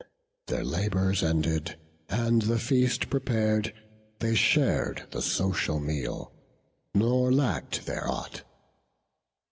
Their labours ended, and the feast prepar'd, They shar'd the social meal, nor lack'd there aught.